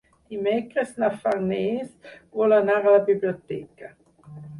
Dimecres na Farners vol anar a la biblioteca.